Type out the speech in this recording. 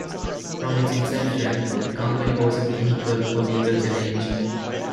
From its inception, the Company was a vehicle for legal challenge.